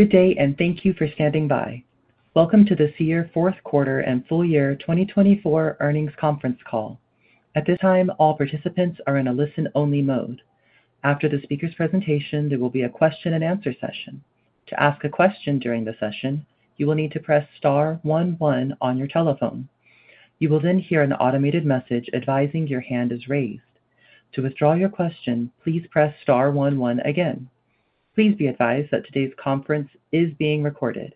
Good day, and thank you for standing by. Welcome to the Seer Q4 and Full Year 2024 Earnings Conference Call. At this time, all participants are in a listen-only mode. After the speaker's presentation, there will be a question-and-answer session. To ask a question during the session, you will need to press star 11 on your telephone. You will then hear an automated message advising your hand is raised. To withdraw your question, please press star 11 again. Please be advised that today's conference is being recorded.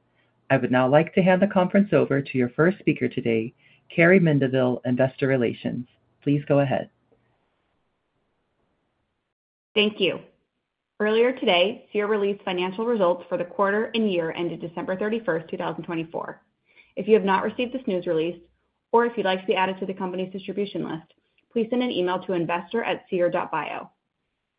I would now like to hand the conference over to your first speaker today, Carrie Mendivil, Investor Relations. Please go ahead. Thank you. Earlier today, Seer released financial results for the quarter and year ended December 31, 2024. If you have not received this news release, or if you'd like to be added to the company's distribution list, please send an email to investor@seer.bio.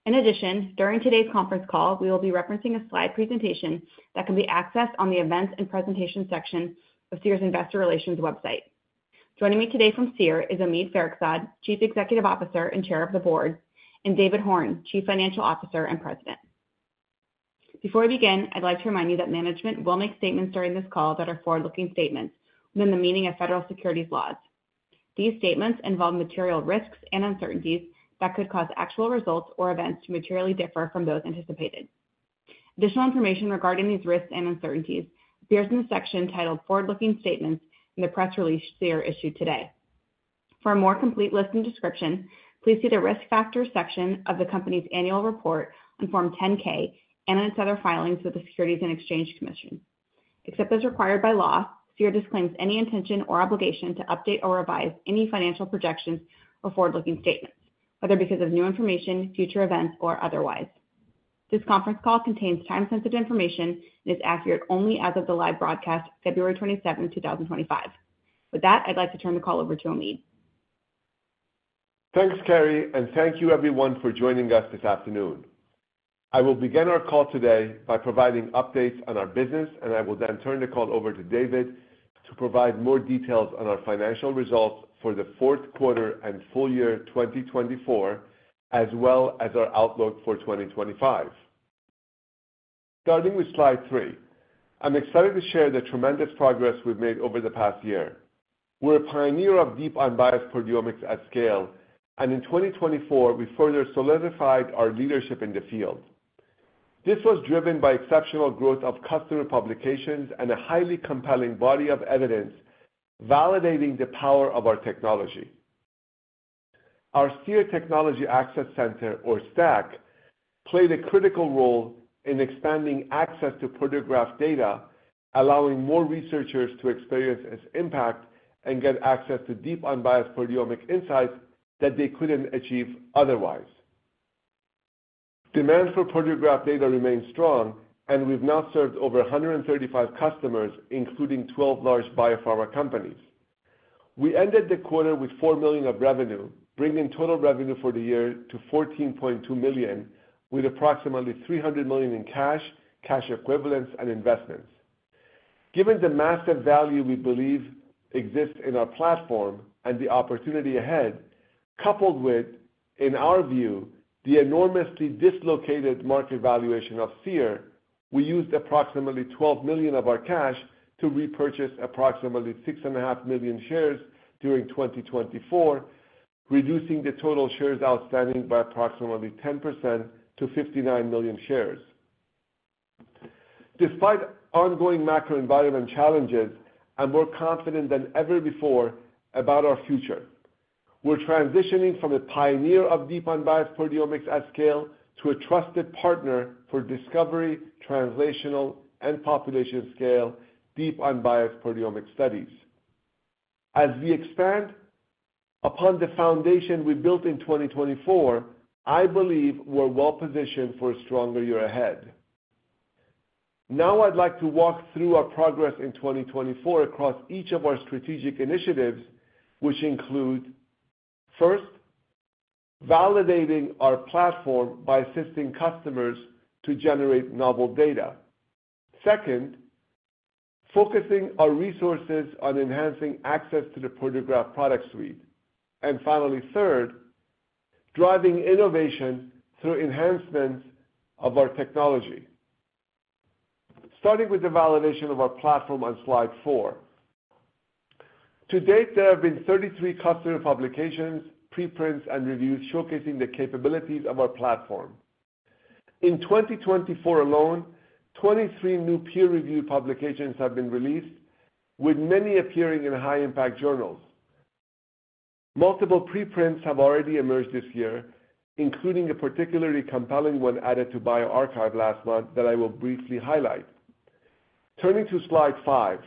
In addition, during today's conference call, we will be referencing a slide presentation that can be accessed on the events and presentation section of Seer's Investor Relations website. Joining me today from Seer is Omid Farokhzad, Chief Executive Officer and Chair of the Board, and David Horn, Chief Financial Officer and President. Before we begin, I'd like to remind you that management will make statements during this call that are forward-looking statements within the meaning of federal securities laws. These statements involve material risks and uncertainties that could cause actual results or events to materially differ from those anticipated. Additional information regarding these risks and uncertainties appears in the section titled Forward-Looking Statements in the press release Seer issued today. For a more complete list and description, please see the risk factors section of the company's annual report on Form 10-K and in its other filings with the Securities and Exchange Commission. Except as required by law, Seer disclaims any intention or obligation to update or revise any financial projections or forward-looking statements, whether because of new information, future events, or otherwise. This conference call contains time-sensitive information and is accurate only as of the live broadcast February 27th, 2025. With that, I'd like to turn the call over to Omid. Thanks, Carrie, and thank you, everyone, for joining us this afternoon. I will begin our call today by providing updates on our business, and I will then turn the call over to David to provide more details on our financial results for the Q4 and full year 2024, as well as our outlook for 2025. Starting with slide three, I'm excited to share the tremendous progress we've made over the past year. We're a pioneer of deep unbiased proteomics at scale, and in 2024, we further solidified our leadership in the field. This was driven by exceptional growth of customer publications and a highly compelling body of evidence validating the power of our technology. Our Seer Technology Access Center, or STAC, played a critical role in expanding access to Proteograph data, allowing more researchers to experience its impact and get access to deep unbiased proteomic insights that they could not achieve otherwise. Demand for Proteograph data remains strong, and we have now served over 135 customers, including 12 large biopharma companies. We ended the quarter with $4 million of revenue, bringing total revenue for the year to $14.2 million, with approximately $300 million in cash, cash equivalents, and investments. Given the massive value we believe exists in our platform and the opportunity ahead, coupled with, in our view, the enormously dislocated market valuation of Seer, we used approximately $12 million of our cash to repurchase approximately 6.5 million shares during 2024, reducing the total shares outstanding by approximately 10% to 59 million shares. Despite ongoing macro-environment challenges, I am more confident than ever before about our future. We're transitioning from a pioneer of deep unbiased proteomics at scale to a trusted partner for discovery, translational, and population-scale deep unbiased proteomic studies. As we expand upon the foundation we built in 2024, I believe we're well-positioned for a stronger year ahead. Now, I'd like to walk through our progress in 2024 across each of our strategic initiatives, which include, first, validating our platform by assisting customers to generate novel data. Second, focusing our resources on enhancing access to the Proteograph Product Suite. Finally, third, driving innovation through enhancements of our technology. Starting with the validation of our platform on slide four. To date, there have been 33 customer publications, preprints, and reviews showcasing the capabilities of our platform. In 2024 alone, 23 new peer-reviewed publications have been released, with many appearing in high-impact journals. Multiple preprints have already emerged this year, including a particularly compelling one added to bioRxiv last month that I will briefly highlight. Turning to slide five,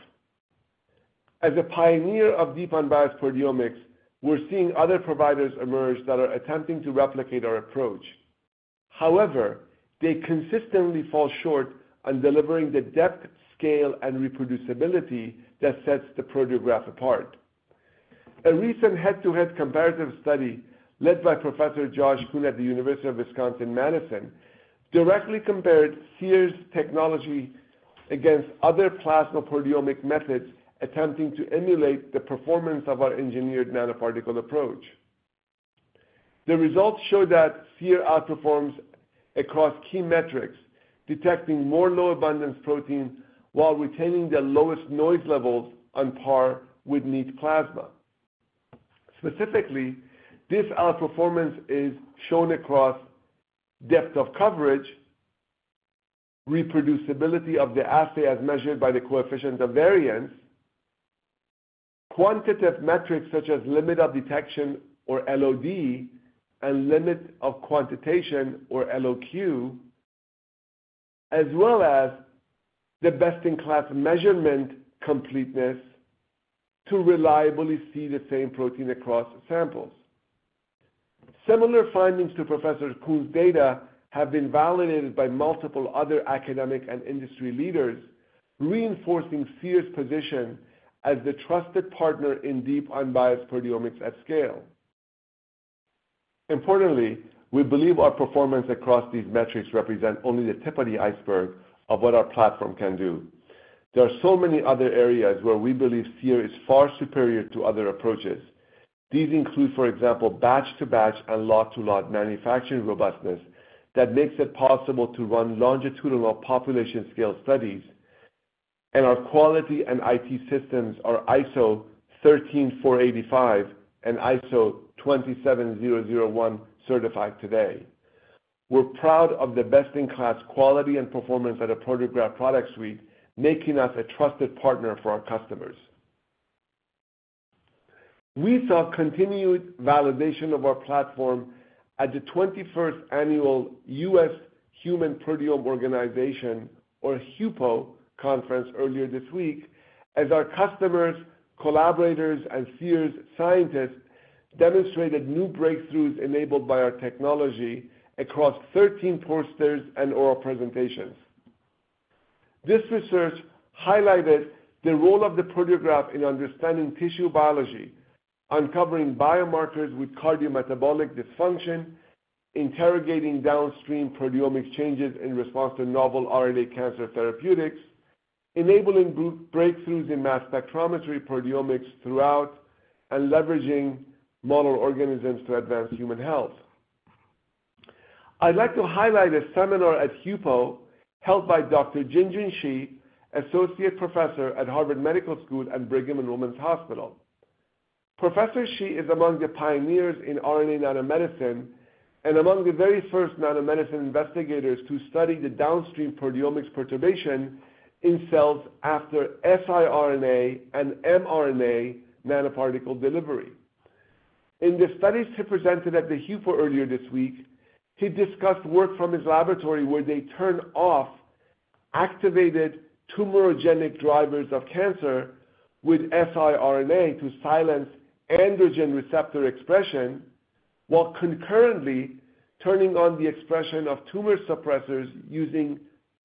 as a pioneer of deep unbiased proteomics, we're seeing other providers emerge that are attempting to replicate our approach. However, they consistently fall short on delivering the depth, scale, and reproducibility that sets the Proteograph apart. A recent head-to-head comparative study led by Professor Josh Kuhn at the University of Wisconsin-Madison directly compared Seer's technology against other plasma proteomic methods attempting to emulate the performance of our engineered nanoparticle approach. The results show that Seer outperforms across key metrics, detecting more low-abundance protein while retaining the lowest noise levels on par with neat plasma. Specifically, this outperformance is shown across depth of coverage, reproducibility of the assay as measured by the coefficient of variance, quantitative metrics such as limit of detection or LOD and limit of quantitation or LOQ, as well as the best-in-class measurement completeness to reliably see the same protein across samples. Similar findings to Professor Kuhn's data have been validated by multiple other academic and industry leaders, reinforcing Seer's position as the trusted partner in deep unbiased proteomics at scale. Importantly, we believe our performance across these metrics represents only the tip of the iceberg of what our platform can do. There are so many other areas where we believe Seer is far superior to other approaches. These include, for example, batch-to-batch and lot-to-lot manufacturing robustness that makes it possible to run longitudinal population-scale studies, and our quality and IT systems are ISO 13485 and ISO 27001 certified today. We're proud of the best-in-class quality and performance of our Proteograph Product Suite, making us a trusted partner for our customers. We saw continued validation of our platform at the 21st Annual US Human Proteome Organization, or HUPO, conference earlier this week, as our customers, collaborators, and Seer's scientists demonstrated new breakthroughs enabled by our technology across 13 posters and oral presentations. This research highlighted the role of the Proteograph in understanding tissue biology, uncovering biomarkers with cardiometabolic dysfunction, interrogating downstream proteomic changes in response to novel RNA cancer therapeutics, enabling breakthroughs in mass spectrometry proteomics throughout, and leveraging model organisms to advance human health. I'd like to highlight a seminar at HUPO held by Dr. Jinjun Shi, Associate Professor at Harvard Medical School and Brigham and Women's Hospital. Professor Shi is among the pioneers in RNA nanomedicine and among the very first nanomedicine investigators to study the downstream proteomics perturbation in cells after siRNA and mRNA nanoparticle delivery. In the studies he presented at the HUPO earlier this week, he discussed work from his laboratory where they turned off activated tumorogenic drivers of cancer with siRNA to silence androgen receptor expression while concurrently turning on the expression of tumor suppressors using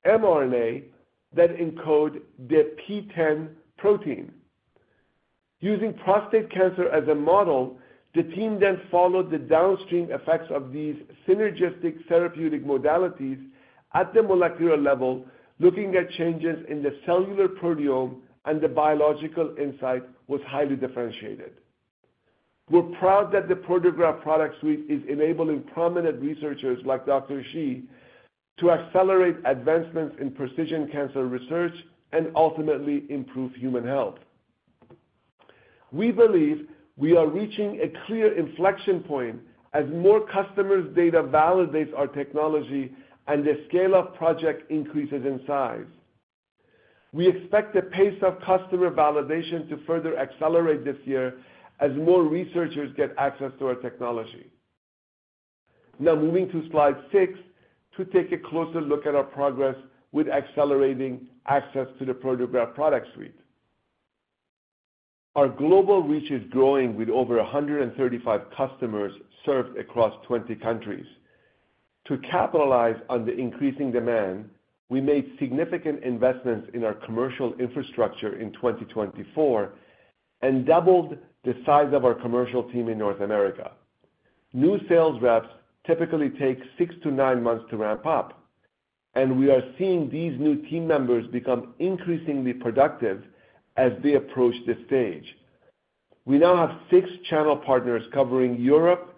mRNA that encode the p10 protein. Using prostate cancer as a model, the team then followed the downstream effects of these synergistic therapeutic modalities at the molecular level, looking at changes in the cellular proteome, and the biological insight was highly differentiated. We're proud that the Proteograph Product Suite is enabling prominent researchers like Dr. Shi to accelerate advancements in precision cancer research and ultimately improve human health. We believe we are reaching a clear inflection point as more customers' data validates our technology and the scale of project increases in size. We expect the pace of customer validation to further accelerate this year as more researchers get access to our technology. Now, moving to slide six to take a closer look at our progress with accelerating access to the Proteograph Product Suite. Our global reach is growing with over 135 customers served across 20 countries. To capitalize on the increasing demand, we made significant investments in our commercial infrastructure in 2024 and doubled the size of our commercial team in North America. New sales reps typically take six to nine months to ramp up, and we are seeing these new team members become increasingly productive as they approach this stage. We now have six channel partners covering Europe,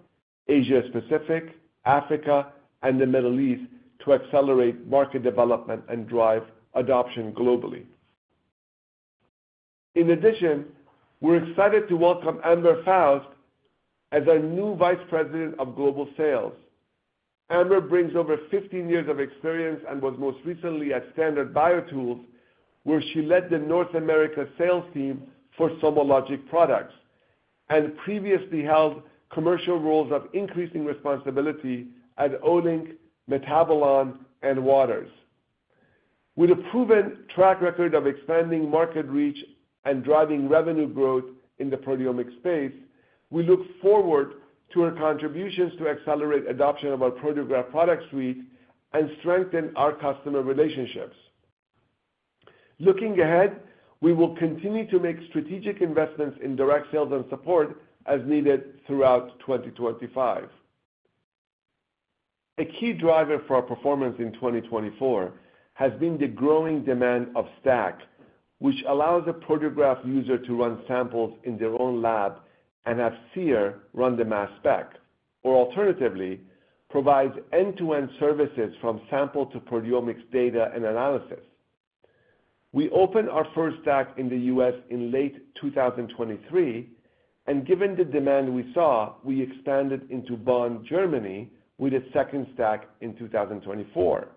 Asia-Pacific, Africa, and the Middle East to accelerate market development and drive adoption globally. In addition, we're excited to welcome Amber Faust as our new Vice President of Global Sales. Amber brings over 15 years of experience and was most recently at Standard BioTools, where she led the North America sales team for SomaLogic products and previously held commercial roles of increasing responsibility at Olink, Metabolon, and Waters. With a proven track record of expanding market reach and driving revenue growth in the proteomic space, we look forward to her contributions to accelerate adoption of our Proteograph Product Suite and strengthen our customer relationships. Looking ahead, we will continue to make strategic investments in direct sales and support as needed throughout 2025. A key driver for our performance in 2024 has been the growing demand of STAC, which allows a Proteograph user to run samples in their own lab and have Seer run the mass spec, or alternatively, provides end-to-end services from sample to proteomics data and analysis. We opened our first STAC in the US in late 2023, and given the demand we saw, we expanded into Bonn, Germany, with a second STAC in 2024.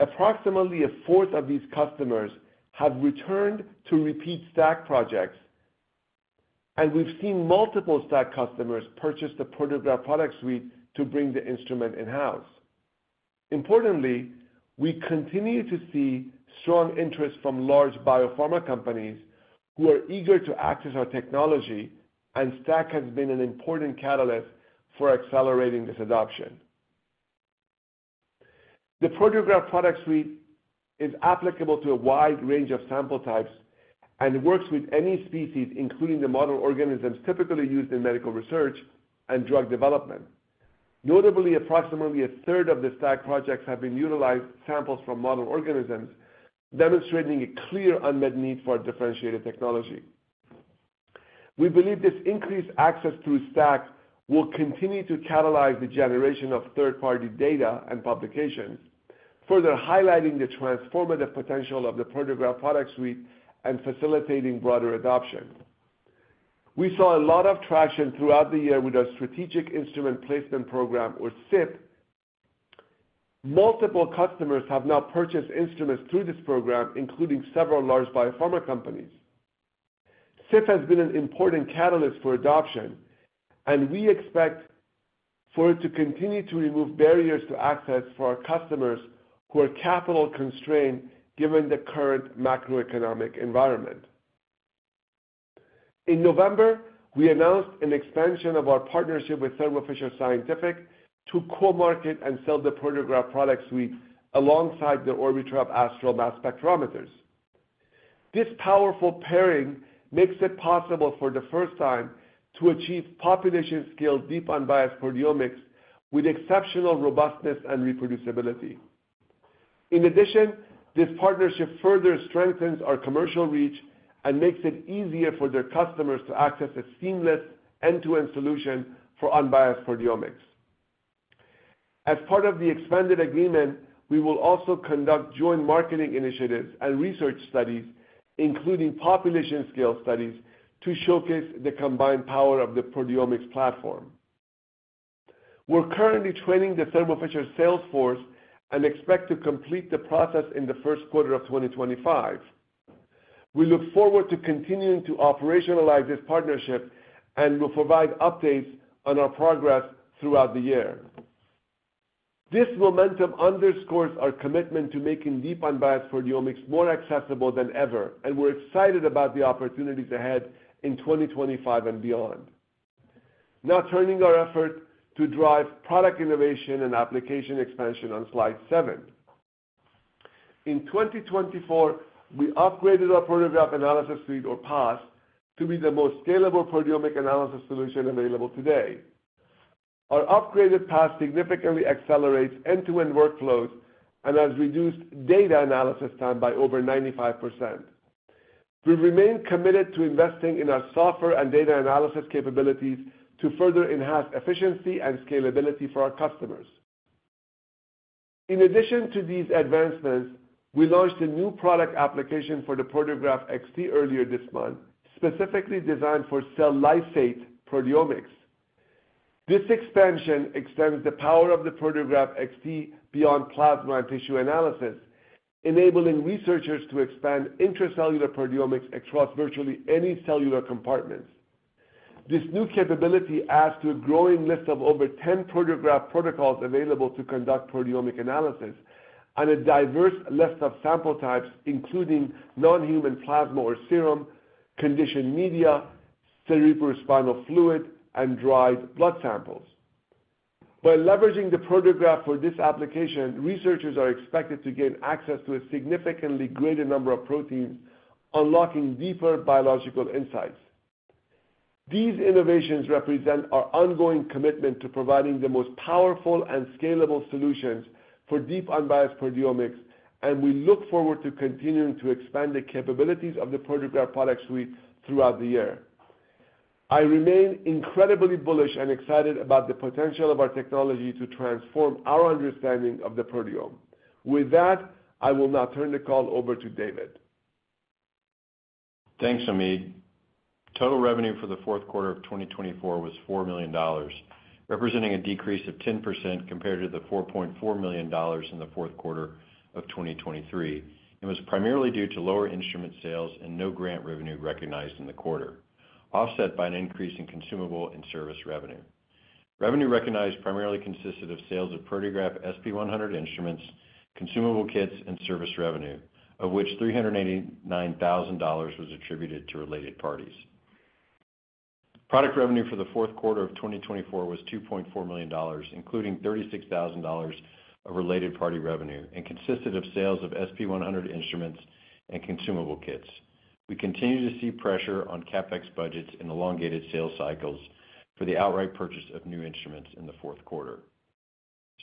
Approximately a fourth of these customers have returned to repeat STAC projects, and we've seen multiple STAC customers purchase the Proteograph Product Suite to bring the instrument in-house. Importantly, we continue to see strong interest from large biopharma companies who are eager to access our technology, and STAC has been an important catalyst for accelerating this adoption. The Proteograph Product Suite is applicable to a wide range of sample types and works with any species, including the model organisms typically used in medical research and drug development. Notably, approximately a third of the STAC projects have utilized samples from model organisms, demonstrating a clear unmet need for differentiated technology. We believe this increased access through STAC will continue to catalyze the generation of third-party data and publications, further highlighting the transformative potential of the Proteograph Product Suite and facilitating broader adoption. We saw a lot of traction throughout the year with our Strategic Instrument Placement Program, or SIP. Multiple customers have now purchased instruments through this program, including several large biopharma companies. SIP has been an important catalyst for adoption, and we expect for it to continue to remove barriers to access for our customers who are capital constrained given the current macroeconomic environment. In November, we announced an expansion of our partnership with Thermo Fisher Scientific to co-market and sell the Proteograph Product Suite alongside the Orbitrap Astral Mass Spectrometers. This powerful pairing makes it possible for the first time to achieve population-scale deep unbiased proteomics with exceptional robustness and reproducibility. In addition, this partnership further strengthens our commercial reach and makes it easier for their customers to access a seamless end-to-end solution for unbiased proteomics. As part of the expanded agreement, we will also conduct joint marketing initiatives and research studies, including population-scale studies, to showcase the combined power of the proteomics platform. We're currently training the Thermo Fisher salesforce and expect to complete the process in the Q1 of 2025. We look forward to continuing to operationalize this partnership and will provide updates on our progress throughout the year. This momentum underscores our commitment to making deep unbiased proteomics more accessible than ever, and we're excited about the opportunities ahead in 2025 and beyond. Now, turning our effort to drive product innovation and application expansion on slide seven. In 2024, we upgraded our Proteograph Analysis Suite, or PAS, to be the most scalable proteomic analysis solution available today. Our upgraded PAS significantly accelerates end-to-end workflows and has reduced data analysis time by over 95%. We remain committed to investing in our software and data analysis capabilities to further enhance efficiency and scalability for our customers. In addition to these advancements, we launched a new product application for the Proteograph XT earlier this month, specifically designed for cell lysate proteomics. This expansion extends the power of the Proteograph XT beyond plasma and tissue analysis, enabling researchers to expand intracellular proteomics across virtually any cellular compartments. This new capability adds to a growing list of over 10 Proteograph protocols available to conduct proteomic analysis on a diverse list of sample types, including non-human plasma or serum, conditioned media, cerebrospinal fluid, and dried blood samples. By leveraging the Proteograph for this application, researchers are expected to gain access to a significantly greater number of proteins, unlocking deeper biological insights. These innovations represent our ongoing commitment to providing the most powerful and scalable solutions for deep unbiased proteomics, and we look forward to continuing to expand the capabilities of the Proteograph Product Suite throughout the year. I remain incredibly bullish and excited about the potential of our technology to transform our understanding of the proteome. With that, I will now turn the call over to David. Thanks, Omid. Total revenue for the Q4 of 2024 was $4 million, representing a decrease of 10% compared to the $4.4 million in the Q4 of 2023. It was primarily due to lower instrument sales and no grant revenue recognized in the quarter, offset by an increase in consumable and service revenue. Revenue recognized primarily consisted of sales of Proteograph SP100 instruments, consumable kits, and service revenue, of which $389,000 was attributed to related parties. Product revenue for the Q4 of 2024 was $2.4 million, including $36,000 of related party revenue, and consisted of sales of SP100 instruments and consumable kits. We continue to see pressure on CapEx budgets and elongated sales cycles for the outright purchase of new instruments in the Q4.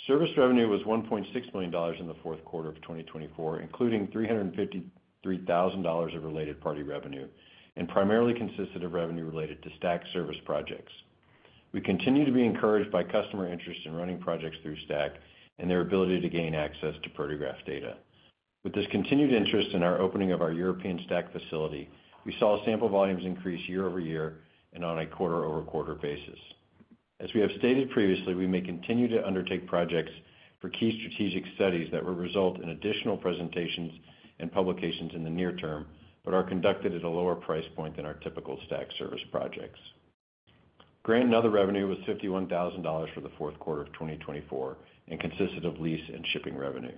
Service revenue was $1.6 million in the Q4 of 2024, including $353,000 of related party revenue, and primarily consisted of revenue related to STAC service projects. We continue to be encouraged by customer interest in running projects through STAC and their ability to gain access to Proteograph data. With this continued interest in our opening of our European STAC facility, we saw sample volumes increase year over year and on a quarter-over-quarter basis. As we have stated previously, we may continue to undertake projects for key strategic studies that will result in additional presentations and publications in the near term, but are conducted at a lower price point than our typical STAC service projects. Grant and other revenue was $51,000 for the Q4 of 2024 and consisted of lease and shipping revenue.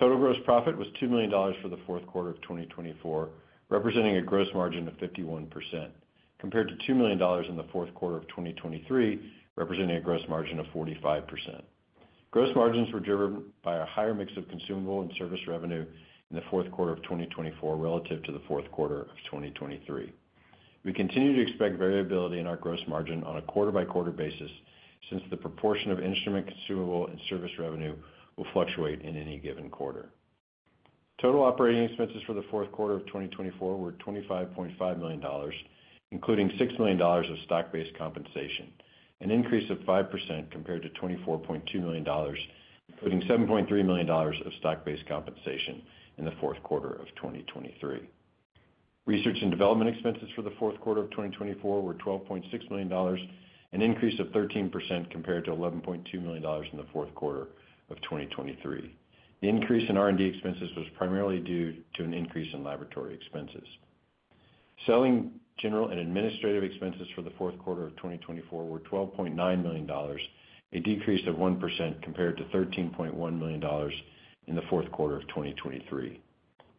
Total gross profit was $2 million for the Q4 of 2024, representing a gross margin of 51%, compared to $2 million in the Q4 of 2023, representing a gross margin of 45%. Gross margins were driven by a higher mix of consumable and service revenue in the Q4 of 2024 relative to the Q4 of 2023. We continue to expect variability in our gross margin on a quarter-by-quarter basis since the proportion of instrument consumable and service revenue will fluctuate in any given quarter. Total operating expenses for the Q4 of 2024 were $25.5 million, including $6 million of stock-based compensation, an increase of 5% compared to $24.2 million, including $7.3 million of stock-based compensation in the Q4 of 2023. Research and development expenses for the Q4 of 2024 were $12.6 million, an increase of 13% compared to $11.2 million in the Q4 of 2023. The increase in R&D expenses was primarily due to an increase in laboratory expenses. Selling general and administrative expenses for the Q4 of 2024 were $12.9 million, a decrease of 1% compared to $13.1 million in the Q4 of 2023.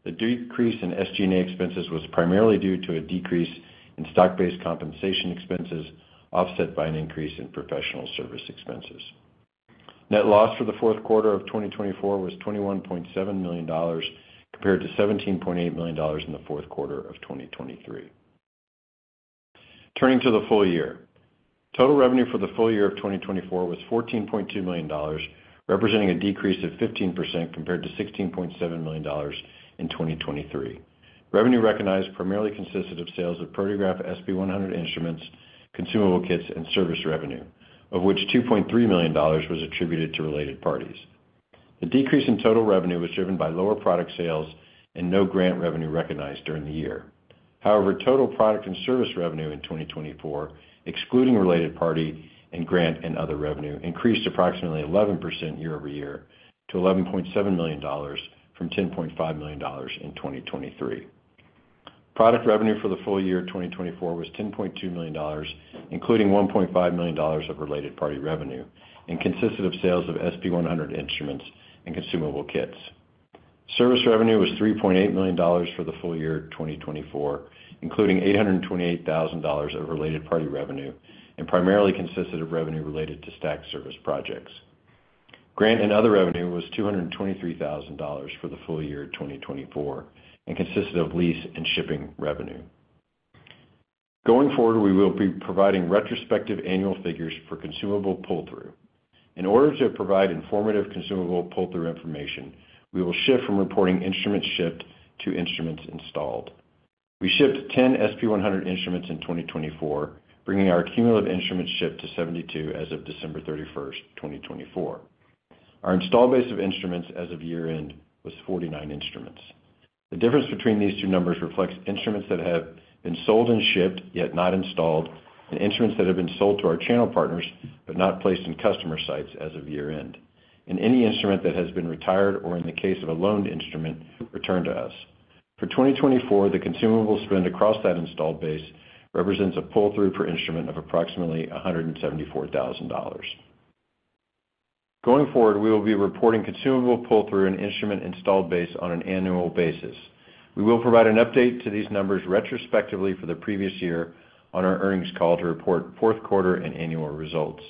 The decrease in SG&A expenses was primarily due to a decrease in stock-based compensation expenses, offset by an increase in professional service expenses. Net loss for the Q4 of 2024 was $21.7 million compared to $17.8 million in the Q4 of 2023. Turning to the full year, total revenue for the full year of 2024 was $14.2 million, representing a decrease of 15% compared to $16.7 million in 2023. Revenue recognized primarily consisted of sales of Proteograph SP100 instruments, consumable kits, and service revenue, of which $2.3 million was attributed to related parties. The decrease in total revenue was driven by lower product sales and no grant revenue recognized during the year. However, total product and service revenue in 2024, excluding related party and grant and other revenue, increased approximately 11% year over year to $11.7 million from $10.5 million in 2023. Product revenue for the full year of 2024 was $10.2 million, including $1.5 million of related party revenue, and consisted of sales of SP100 instruments and consumable kits. Service revenue was $3.8 million for the full year of 2024, including $828,000 of related party revenue, and primarily consisted of revenue related to STAC service projects. Grant and other revenue was $223,000 for the full year of 2024 and consisted of lease and shipping revenue. Going forward, we will be providing retrospective annual figures for consumable pull-through. In order to provide informative consumable pull-through information, we will shift from reporting instruments shipped to instruments installed. We shipped 10 SP100 instruments in 2024, bringing our cumulative instrument shipped to 72 as of December 31, 2024. Our install base of instruments as of year-end was 49 instruments. The difference between these two numbers reflects instruments that have been sold and shipped, yet not installed, and instruments that have been sold to our channel partners but not placed in customer sites as of year-end, and any instrument that has been retired or, in the case of a loaned instrument, returned to us. For 2024, the consumable spend across that install base represents a pull-through per instrument of approximately $174,000. Going forward, we will be reporting consumable pull-through and instrument install base on an annual basis. We will provide an update to these numbers retrospectively for the previous year on our earnings call to report Q4 and annual results.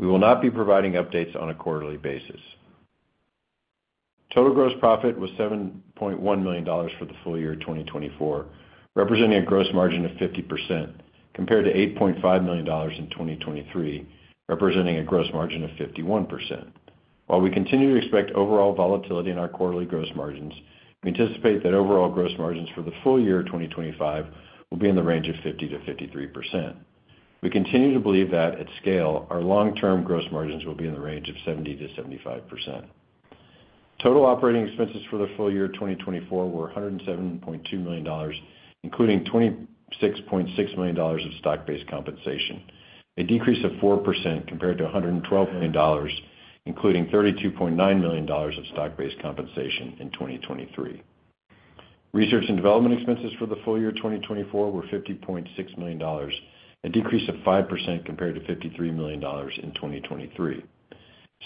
We will not be providing updates on a quarterly basis. Total gross profit was $7.1 million for the full year of 2024, representing a gross margin of 50%, compared to $8.5 million in 2023, representing a gross margin of 51%. While we continue to expect overall volatility in our quarterly gross margins, we anticipate that overall gross margins for the full year of 2025 will be in the range of 50%-53%. We continue to believe that, at scale, our long-term gross margins will be in the range of 70%-75%. Total operating expenses for the full year of 2024 were $107.2 million, including $26.6 million of stock-based compensation, a decrease of 4% compared to $112 million, including $32.9 million of stock-based compensation in 2023. Research and development expenses for the full year of 2024 were $50.6 million, a decrease of 5% compared to $53 million in 2023.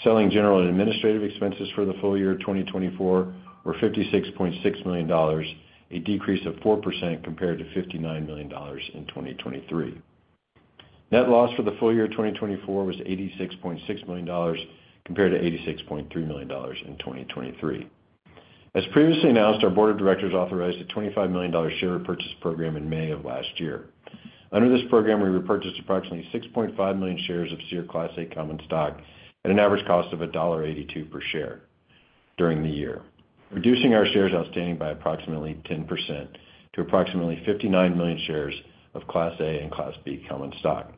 Selling, general and administrative expenses for the full year of 2024 were $56.6 million, a decrease of 4% compared to $59 million in 2023. Net loss for the full year of 2024 was $86.6 million compared to $86.3 million in 2023. As previously announced, our Board of Directors authorized a $25 million share repurchase program in May of last year. Under this program, we repurchased approximately 6.5 million shares of Seer Class A Common Stock at an average cost of $1.82 per share during the year, reducing our shares outstanding by approximately 10% to approximately 59 million shares of Class A and Class B Common Stock.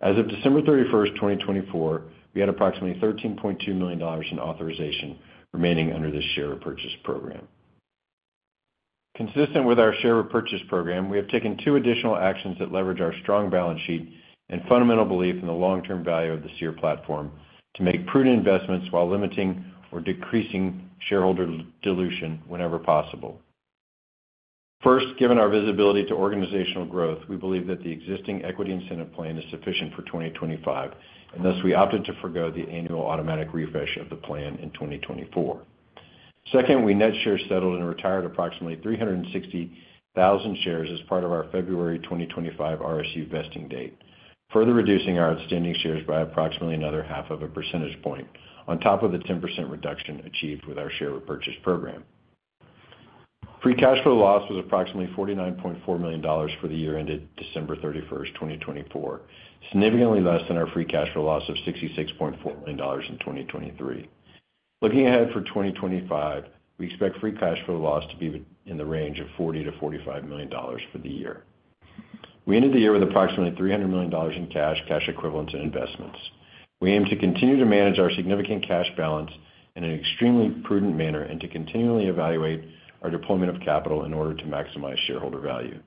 As of December 31, 2024, we had approximately $13.2 million in authorization remaining under this share repurchase program. Consistent with our share repurchase program, we have taken two additional actions that leverage our strong balance sheet and fundamental belief in the long-term value of the Seer platform to make prudent investments while limiting or decreasing shareholder dilution whenever possible. First, given our visibility to organizational growth, we believe that the existing equity incentive plan is sufficient for 2025, and thus we opted to forgo the annual automatic refresh of the plan in 2024. Second, we net share settled and retired approximately 360,000 shares as part of our February 2025 RSU vesting date, further reducing our outstanding shares by approximately another half of a percentage point on top of the 10% reduction achieved with our share repurchase program. Free cash flow loss was approximately $49.4 million for the year-end at December 31, 2024, significantly less than our free cash flow loss of $66.4 million in 2023. Looking ahead for 2025, we expect free cash flow loss to be in the range of $40 to 45 million for the year. We ended the year with approximately $300 million in cash, cash equivalents, and investments. We aim to continue to manage our significant cash balance in an extremely prudent manner and to continually evaluate our deployment of capital in order to maximize shareholder value.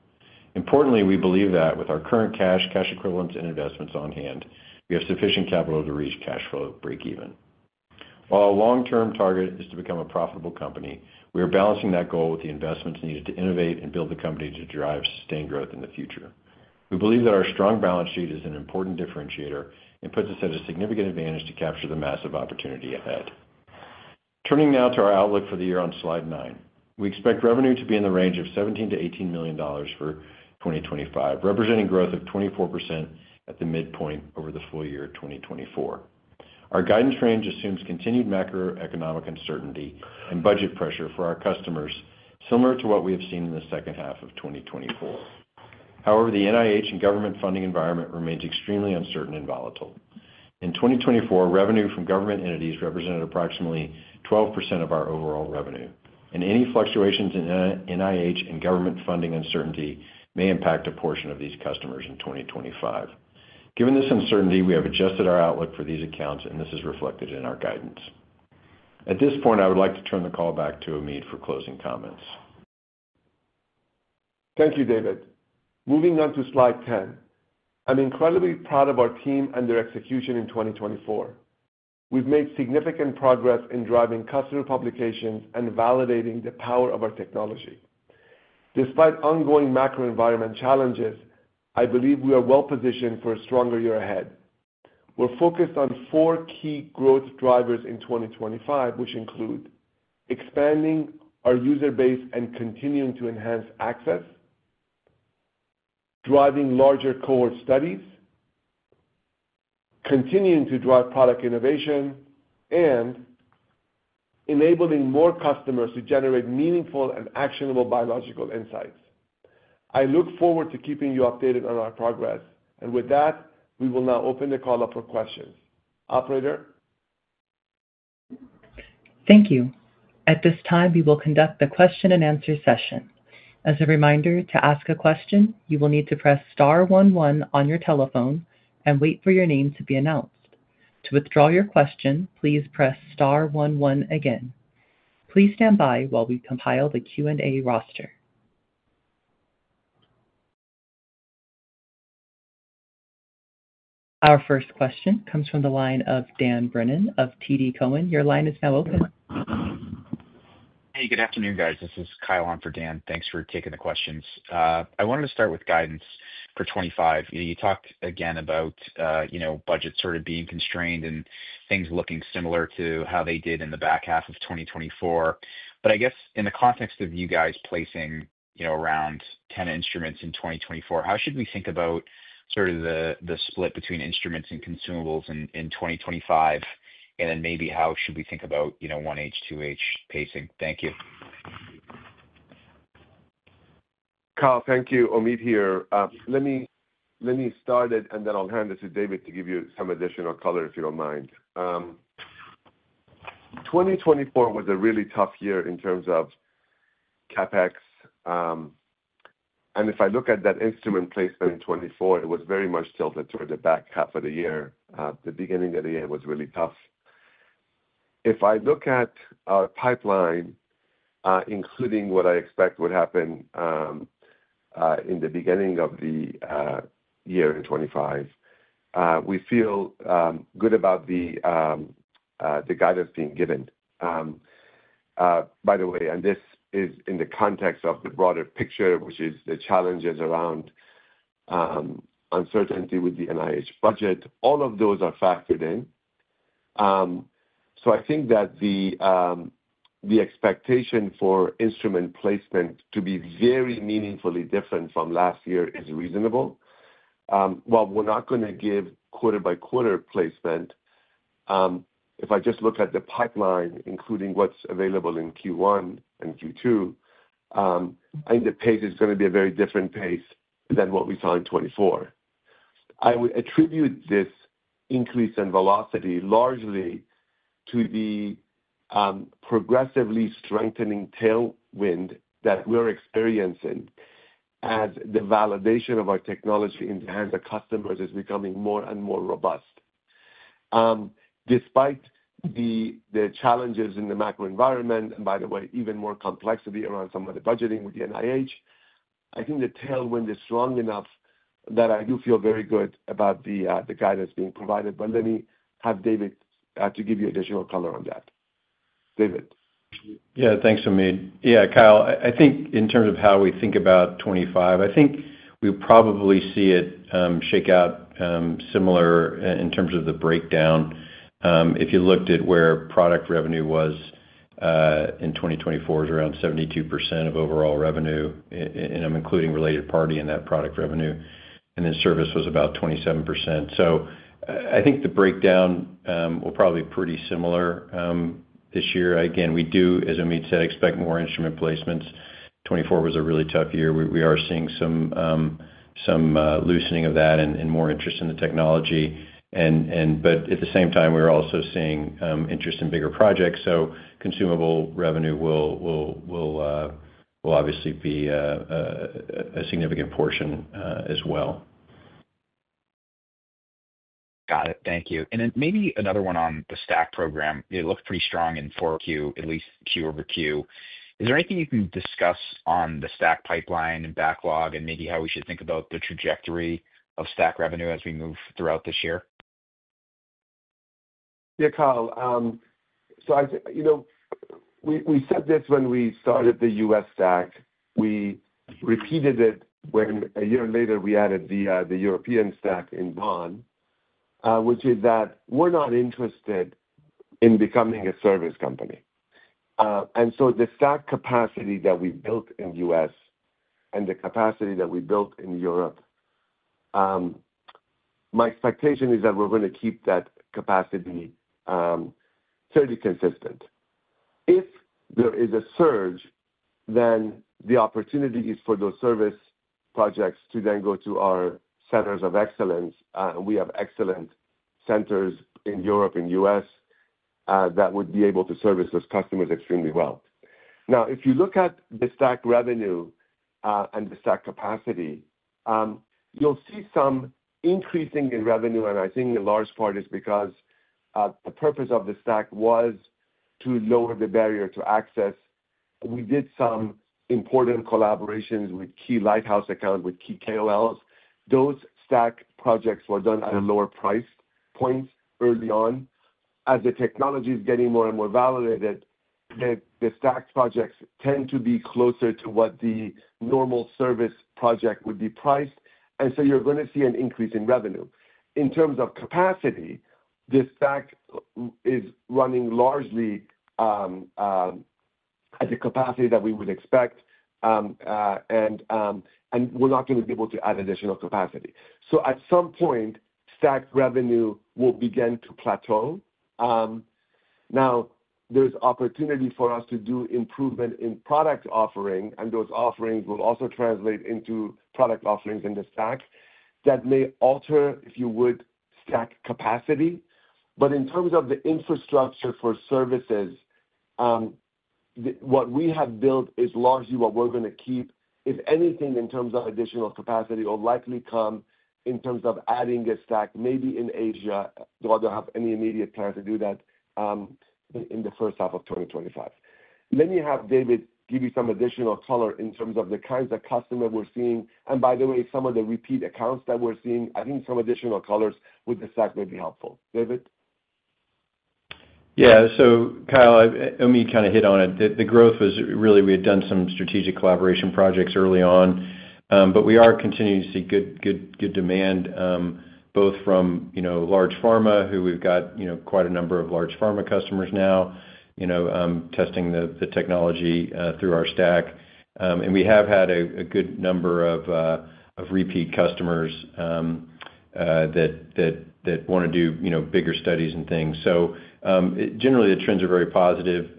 Importantly, we believe that with our current cash, cash equivalents, and investments on hand, we have sufficient capital to reach cash flow break-even. While our long-term target is to become a profitable company, we are balancing that goal with the investments needed to innovate and build the company to drive sustained growth in the future. We believe that our strong balance sheet is an important differentiator and puts us at a significant advantage to capture the massive opportunity ahead. Turning now to our outlook for the year on slide 9, we expect revenue to be in the range of $17 to 18 million for 2025, representing growth of 24% at the midpoint over the full year of 2024. Our guidance range assumes continued macroeconomic uncertainty and budget pressure for our customers, similar to what we have seen in the second half of 2024. However, the NIH and government funding environment remains extremely uncertain and volatile. In 2024, revenue from government entities represented approximately 12% of our overall revenue, and any fluctuations in NIH and government funding uncertainty may impact a portion of these customers in 2025. Given this uncertainty, we have adjusted our outlook for these accounts, and this is reflected in our guidance. At this point, I would like to turn the call back to Omid for closing comments. Thank you, David. Moving on to slide 10, I'm incredibly proud of our team and their execution in 2024. We've made significant progress in driving customer publications and validating the power of our technology. Despite ongoing macroenvironment challenges, I believe we are well-positioned for a stronger year ahead. We're focused on four key growth drivers in 2025, which include expanding our user base and continuing to enhance access, driving larger cohort studies, continuing to drive product innovation, and enabling more customers to generate meaningful and actionable biological insights. I look forward to keeping you updated on our progress. With that, we will now open the call up for questions. Operator. Thank you. At this time, we will conduct the question-and-answer session. As a reminder, to ask a question, you will need to press Star 11 on your telephone and wait for your name to be announced. To withdraw your question, please press Star 11 again. Please stand by while we compile the Q&A roster. Our first question comes from the line of Dan Brennan of TD Cowen. Your line is now open. Hey, good afternoon, guys. This is Kyle on for Dan. Thanks for taking the questions. I wanted to start with guidance for 2025. You talked again about budgets sort of being constrained and things looking similar to how they did in the back half of 2024. I guess in the context of you guys placing around 10 instruments in 2024, how should we think about sort of the split between instruments and consumables in 2025? Maybe how should we think about 1H, 2H pacing? Thank you. Kyle, thank you. Omid here. Let me start it, and then I'll hand this to David to give you some additional color, if you don't mind. 2024 was a really tough year in terms of CapEx. If I look at that instrument placement in 2024, it was very much tilted toward the back half of the year. The beginning of the year was really tough. If I look at our pipeline, including what I expect would happen in the beginning of the year in 2025, we feel good about the guidance being given. By the way, this is in the context of the broader picture, which is the challenges around uncertainty with the NIH budget. All of those are factored in. I think that the expectation for instrument placement to be very meaningfully different from last year is reasonable. While we're not going to give quarter-by-quarter placement, if I just look at the pipeline, including what's available in Q1 and Q2, I think the pace is going to be a very different pace than what we saw in 2024. I would attribute this increase in velocity largely to the progressively strengthening tailwind that we're experiencing as the validation of our technology in the hands of customers is becoming more and more robust. Despite the challenges in the macroenvironment, and by the way, even more complexity around some of the budgeting with the NIH, I think the tailwind is strong enough that I do feel very good about the guidance being provided. Let me have David give you additional color on that. David. Yeah, thanks, Omid. Yeah, Kyle, I think in terms of how we think about 2025, I think we probably see it shake out similar in terms of the breakdown. If you looked at where product revenue was in 2024, it was around 72% of overall revenue, and I'm including related party in that product revenue. Service was about 27%. I think the breakdown will probably be pretty similar this year. Again, we do, as Omid said, expect more instrument placements. 2024 was a really tough year. We are seeing some loosening of that and more interest in the technology. At the same time, we're also seeing interest in bigger projects. Consumable revenue will obviously be a significant portion as well. Got it. Thank you. Maybe another one on the STAC program. It looked pretty strong in Q4, at least Q over Q. Is there anything you can discuss on the STAC pipeline and backlog, and maybe how we should think about the trajectory of STAC revenue as we move throughout this year? Yeah, Kyle. We said this when we started the US STAC. We repeated it when a year later we added the European STAC in Bonn, which is that we're not interested in becoming a service company. The STACK capacity that we built in the US and the capacity that we built in Europe, my expectation is that we're going to keep that capacity fairly consistent. If there is a surge, the opportunity is for those service projects to then go to our centers of excellence. We have excellent centers in Europe and the US that would be able to service those customers extremely well. Now, if you look at the STACK revenue and the STACK capacity, you'll see some increasing in revenue. I think a large part is because the purpose of the STACK was to lower the barrier to access. We did some important collaborations with key lighthouse accounts with key KOLs. Those STACK projects were done at a lower price point early on. As the technology is getting more and more validated, the STACK projects tend to be closer to what the normal service project would be priced. You are going to see an increase in revenue. In terms of capacity, the STACK is running largely at the capacity that we would expect, and we are not going to be able to add additional capacity. At some point, STACK revenue will begin to plateau. There is opportunity for us to do improvement in product offering, and those offerings will also translate into product offerings in the STACK that may alter, if you would, STACK capacity. In terms of the infrastructure for services, what we have built is largely what we're going to keep. If anything, in terms of additional capacity, it will likely come in terms of adding a STAC maybe in Asia, though I do not have any immediate plan to do that in the first half of 2025. Let me have David give you some additional color in terms of the kinds of customers we're seeing. By the way, some of the repeat accounts that we're seeing, I think some additional color with the STAC may be helpful. David? Yeah. Kyle, Omid kind of hit on it. The growth was really we had done some strategic collaboration projects early on, but we are continuing to see good demand, both from large pharma, who we've got quite a number of large pharma customers now testing the technology through our STAC. We have had a good number of repeat customers that want to do bigger studies and things. Generally, the trends are very positive.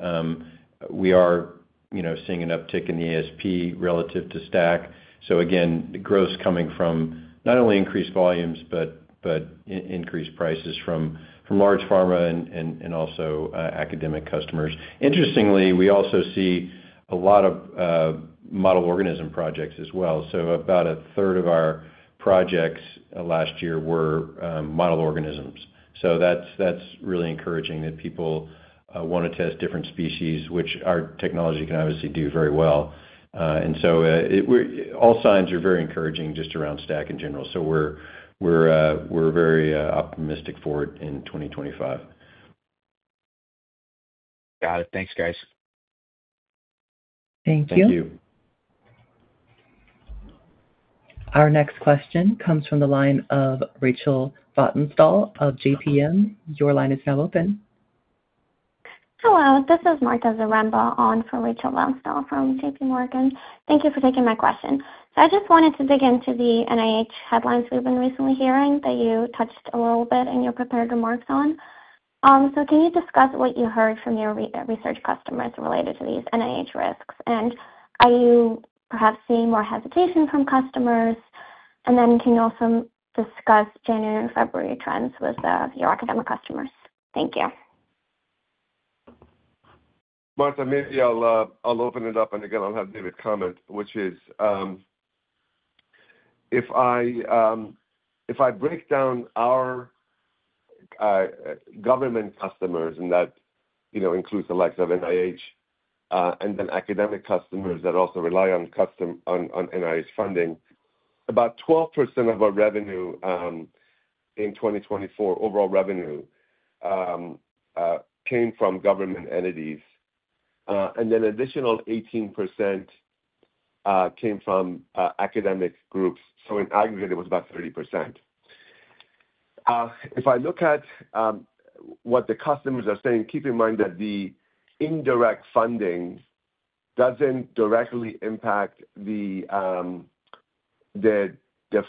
We are seeing an uptick in the ASP relative to STACK. The growth is coming from not only increased volumes, but increased prices from large pharma and also academic customers. Interestingly, we also see a lot of model organism projects as well. About a third of our projects last year were model organisms. That is really encouraging that people want to test different species, which our technology can obviously do very well. All signs are very encouraging just around STACK in general. We are very optimistic for it in 2025. Got it. Thanks, guys. Thank you. Thank you. Our next question comes from the line of Rachel Vatnsdal of JPMorgan. Your line is now open. Hello. This is Marta Zaremba on for Rachel Vatnsdal from JPMorgan. Thank you for taking my question. I just wanted to dig into the NIH headlines we have been recently hearing that you touched a little bit in your prepared remarks on. Can you discuss what you heard from your research customers related to these NIH risks? Are you perhaps seeing more hesitation from customers? Can you also discuss January and February trends with your academic customers? Thank you. Marta, maybe I will open it up, and again, I will have David comment, which is if I break down our government customers, and that includes the likes of NIH and then academic customers that also rely on NIH funding, about 12% of our revenue in 2024, overall revenue, came from government entities. An additional 18% came from academic groups. In aggregate, it was about 30%. If I look at what the customers are saying, keep in mind that the indirect funding does not directly impact the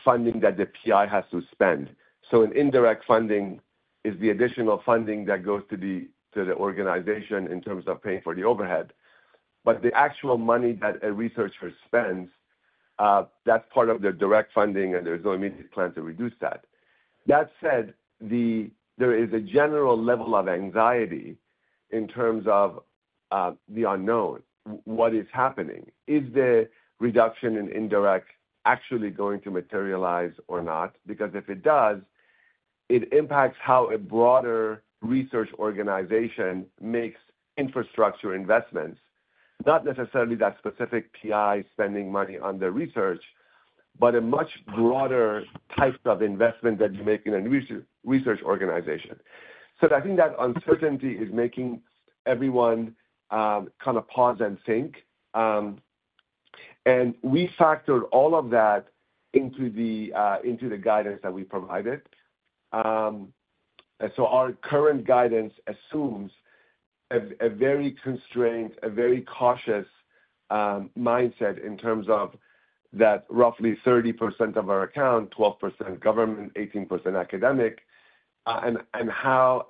funding that the PI has to spend. An indirect funding is the additional funding that goes to the organization in terms of paying for the overhead. The actual money that a researcher spends, that is part of their direct funding, and there is no immediate plan to reduce that. That said, there is a general level of anxiety in terms of the unknown. What is happening? Is the reduction in indirect actually going to materialize or not? If it does, it impacts how a broader research organization makes infrastructure investments, not necessarily that specific PI spending money on their research, but a much broader type of investment that you make in a research organization. I think that uncertainty is making everyone kind of pause and think. We factored all of that into the guidance that we provided. Our current guidance assumes a very constrained, a very cautious mindset in terms of that roughly 30% of our account, 12% government, 18% academic, and how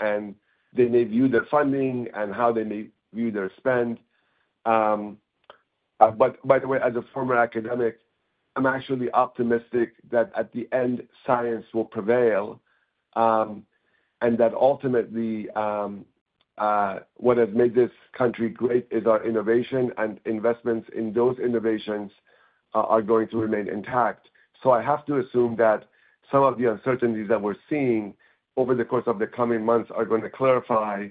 they may view their funding and how they may view their spend. By the way, as a former academic, I'm actually optimistic that at the end, science will prevail. Ultimately, what has made this country great is our innovation, and investments in those innovations are going to remain intact. I have to assume that some of the uncertainties that we're seeing over the course of the coming months are going to clarify,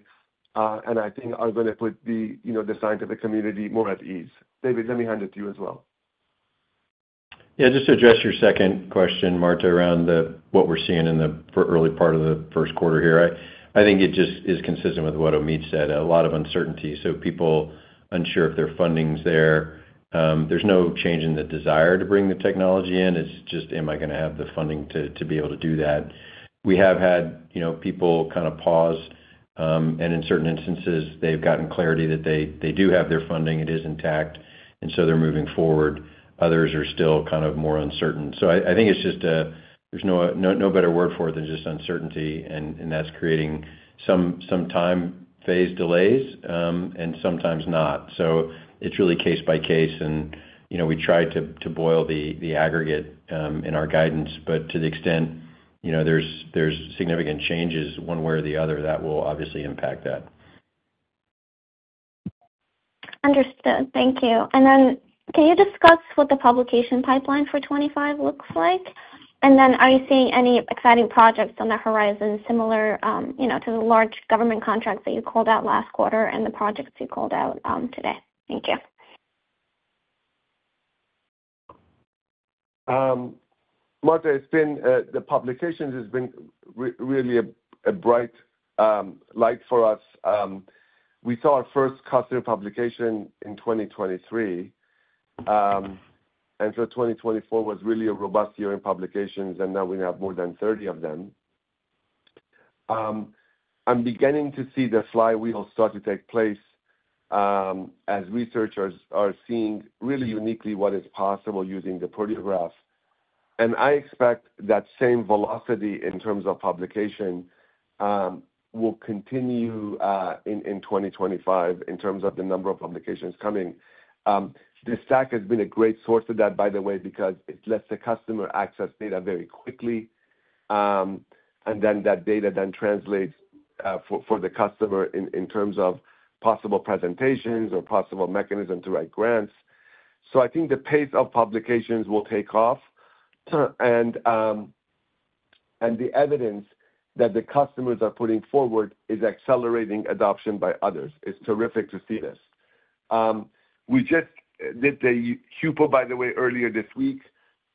and I think are going to put the scientific community more at ease. David, let me hand it to you as well. Yeah, just to address your second question, Marta, around what we're seeing in the early part of the Q1 here, I think it just is consistent with what Omid said. A lot of uncertainty. People are unsure if their funding's there. There's no change in the desire to bring the technology in. It's just, am I going to have the funding to be able to do that? We have had people kind of pause. In certain instances, they've gotten clarity that they do have their funding. It is intact. They're moving forward. Others are still kind of more uncertain. I think there's no better word for it than just uncertainty. That's creating some time phase delays and sometimes not. It's really case by case. We try to boil the aggregate in our guidance. To the extent there's significant changes one way or the other, that will obviously impact that. Understood. Thank you. Can you discuss what the publication pipeline for 2025 looks like? Are you seeing any exciting projects on the horizon similar to the large government contracts that you called out last quarter and the projects you called out today? Thank you. Marta, the publications have been really a bright light for us. We saw our first customer publication in 2023. 2024 was really a robust year in publications, and now we have more than 30 of them. I'm beginning to see the flywheel start to take place as researchers are seeing really uniquely what is possible using the Proteograph. I expect that same velocity in terms of publication will continue in 2025 in terms of the number of publications coming. The STAC has been a great source of that, by the way, because it lets the customer access data very quickly. That data then translates for the customer in terms of possible presentations or possible mechanism to write grants. I think the pace of publications will take off. The evidence that the customers are putting forward is accelerating adoption by others. It's terrific to see this. We just did the HUPO, by the way, earlier this week.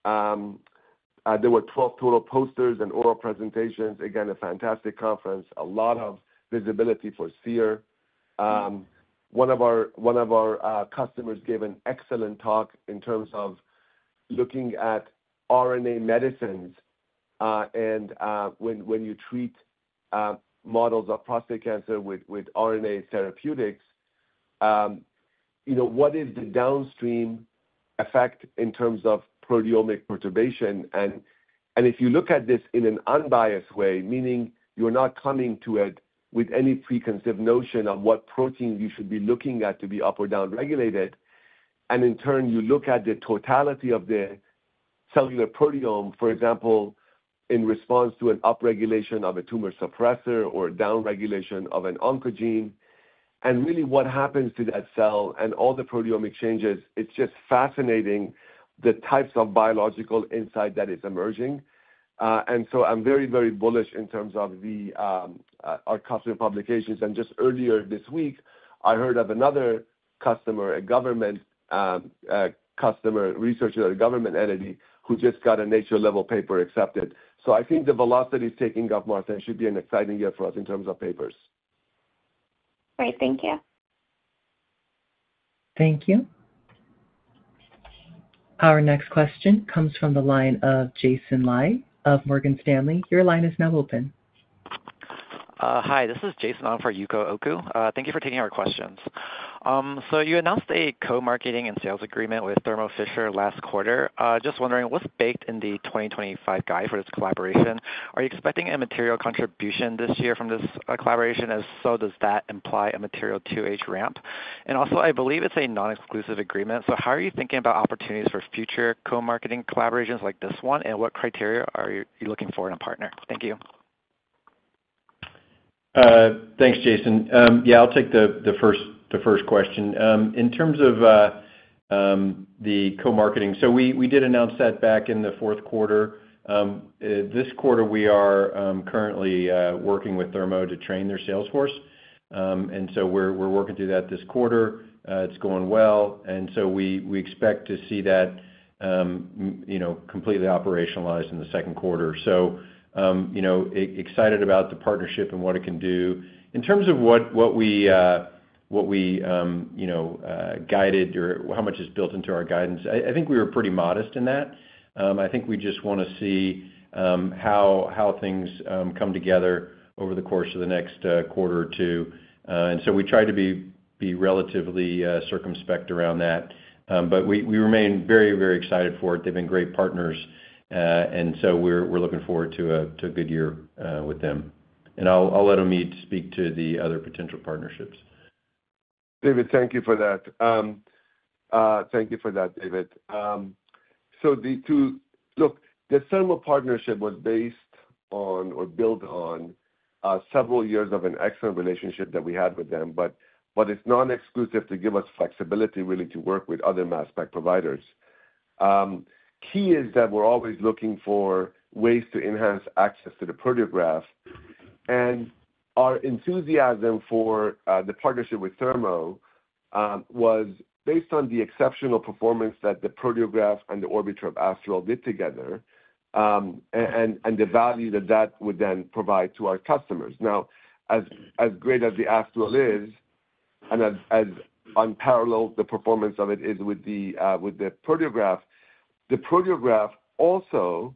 There were 12 total posters and oral presentations. Again, a fantastic conference, a lot of visibility for Seer. One of our customers gave an excellent talk in terms of looking at RNA medicines. When you treat models of prostate cancer with RNA therapeutics, what is the downstream effect in terms of proteomic perturbation? If you look at this in an unbiased way, meaning you're not coming to it with any preconceived notion of what protein you should be looking at to be up or down regulated, and in turn, you look at the totality of the cellular proteome, for example, in response to an upregulation of a tumor suppressor or downregulation of an oncogene, and really what happens to that cell and all the proteomic changes, it's just fascinating the types of biological insight that is emerging. I'm very, very bullish in terms of our customer publications. Just earlier this week, I heard of another customer, a government customer, researcher at a government entity who just got a nation-level paper accepted. I think the velocity is taking off, Marta. It should be an exciting year for us in terms of papers. Great. Thank you. Thank you. Our next question comes from the line of Jason Lai of Morgan Stanley. Your line is now open. Hi. This is Jason on for Yuka Oko. Thank you for taking our questions. You announced a co-marketing and sales agreement with Thermo Fisher last quarter. Just wondering, what's baked in the 2025 guide for this collaboration? Are you expecting a material contribution this year from this collaboration? If so, does that imply a material 2H ramp? I believe it's a non-exclusive agreement. How are you thinking about opportunities for future co-marketing collaborations like this one, and what criteria are you looking for in a partner? Thank you. Thanks, Jason. Yeah, I'll take the first question. In terms of the co-marketing, we did announce that back in the Q4. This quarter, we are currently working with Thermo to train their salesforce. We're working through that this quarter. It's going well. We expect to see that completely operationalized in the second quarter. Excited about the partnership and what it can do. In terms of what we guided or how much is built into our guidance, I think we were pretty modest in that. I think we just want to see how things come together over the course of the next quarter or two. We try to be relatively circumspect around that. We remain very, very excited for it. They've been great partners. We're looking forward to a good year with them. I'll let Omid speak to the other potential partnerships. David, thank you for that. Thank you for that, David. Look, the Thermo partnership was based on or built on several years of an excellent relationship that we had with them. It is non-exclusive to give us flexibility really to work with other mass spec providers. Key is that we're always looking for ways to enhance access to the Proteograph. Our enthusiasm for the partnership with Thermo was based on the exceptional performance that the Proteograph and the Orbitrap Astral did together and the value that that would then provide to our customers. Now, as great as the Astral is and as unparalleled the performance of it is with the Proteograph, the Proteograph also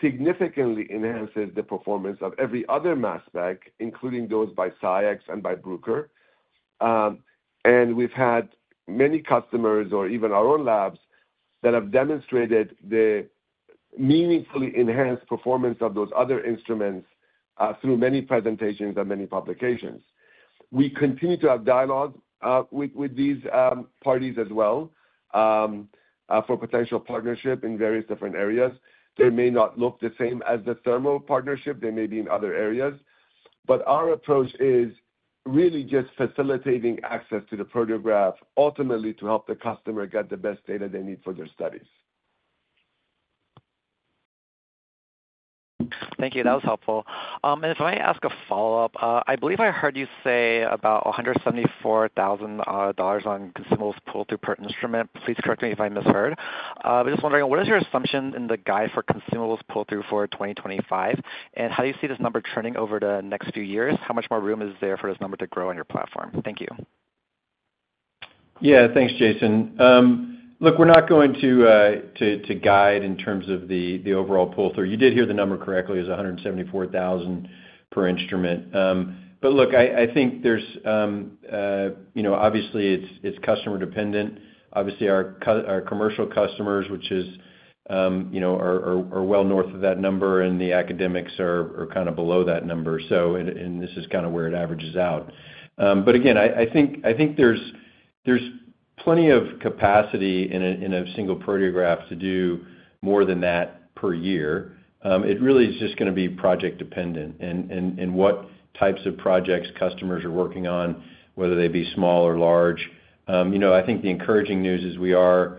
significantly enhances the performance of every other mass spec, including those by SCIEX and by Bruker. We've had many customers or even our own labs that have demonstrated the meaningfully enhanced performance of those other instruments through many presentations and many publications. We continue to have dialogue with these parties as well for potential partnership in various different areas. They may not look the same as the Thermo partnership. They may be in other areas. Our approach is really just facilitating access to the Proteograph, ultimately to help the customer get the best data they need for their studies. Thank you. That was helpful. If I may ask a follow-up, I believe I heard you say about $174,000 on consumables pull-through per instrument. Please correct me if I misheard. Just wondering, what is your assumption in the guide for consumables pull-through for 2025? How do you see this number trending over the next few years? How much more room is there for this number to grow on your platform? Thank you. Yeah, thanks, Jason. Look, we're not going to guide in terms of the overall pull-through. You did hear the number correctly as $174,000 per instrument. Look, I think there's obviously, it's customer-dependent. Obviously, our commercial customers, which are well north of that number, and the academics are kind of below that number. This is kind of where it averages out. I think there's plenty of capacity in a single Proteograph to do more than that per year. It really is just going to be project-dependent and what types of projects customers are working on, whether they be small or large. I think the encouraging news is we are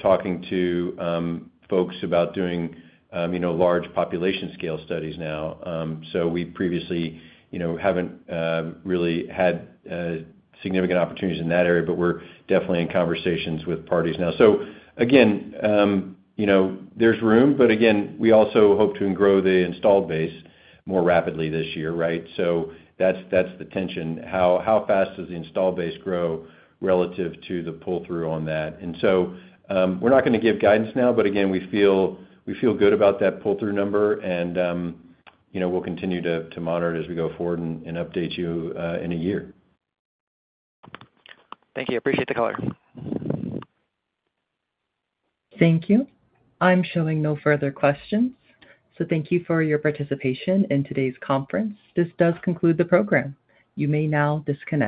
talking to folks about doing large population scale studies now. We previously haven't really had significant opportunities in that area, but we're definitely in conversations with parties now. There's room. We also hope to grow the installed base more rapidly this year, right? That's the tension. How fast does the installed base grow relative to the pull-through on that? We are not going to give guidance now. Again, we feel good about that pull-through number. We will continue to monitor it as we go forward and update you in a year. Thank you. Appreciate the caller. Thank you. I am showing no further questions. Thank you for your participation in today's conference. This does conclude the program. You may now disconnect.